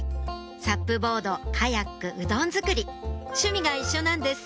サップボードカヤックうどん作り趣味が一緒なんです